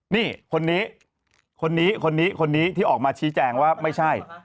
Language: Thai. นี่คนนี้คนนี้คนนี้คนนี้คนนี้ที่ออกมาชี้แจงว่าไม่ใช่